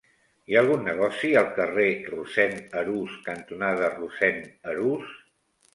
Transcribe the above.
Hi ha algun negoci al carrer Rossend Arús cantonada Rossend Arús?